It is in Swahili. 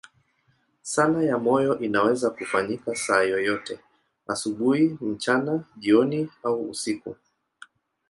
Sala ya moyo inaweza kufanyika saa yoyote, asubuhi, mchana, jioni au usiku.